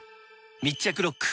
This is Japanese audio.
密着ロック！